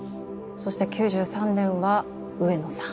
そして９３年は上野さん。